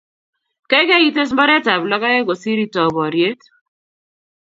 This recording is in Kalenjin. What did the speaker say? keikei ites mbaretab lokoek kosir itou boriet